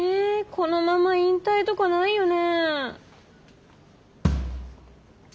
このまま引退とかないよね。